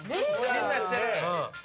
みんなしてる。